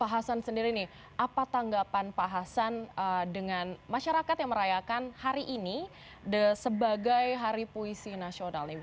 pak hasan sendiri nih apa tanggapan pak hasan dengan masyarakat yang merayakan hari ini sebagai hari puisi nasional ini